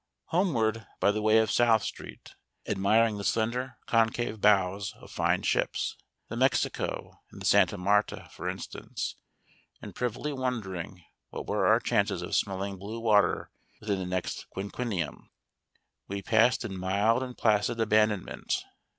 Homeward by the way of South Street, admiring the slender concave bows of fine ships the Mexico and the Santa Marta, for instance and privily wondering what were our chances of smelling blue water within the next quinquennium, we passed in mild and placid abandonment.